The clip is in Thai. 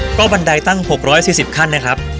ก็บันไดตั้ง๖๔๐ขั้นนะครับ